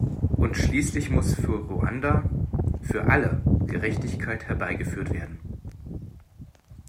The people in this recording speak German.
Und schließlich muss für Ruanda, für alle, Gerechtigkeit herbeigeführt werden.